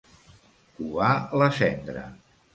Covar la cendra.